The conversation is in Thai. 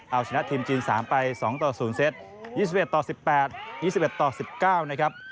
เอาชนะทีมจีน๓ไป๒ต่อ๐เซต๒๑ต่อ๑๘๒๑ต่อ๑๙นะครับ